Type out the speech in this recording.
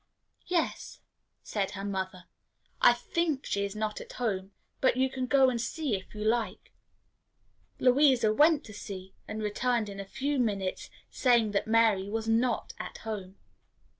"Yes," said her mother; "I think she is not at home; but you can go and see, if you like." Louisa went to see, and returned in a few minutes, saying that Mary was not at home.